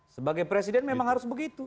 sebagai presiden memang harus begitu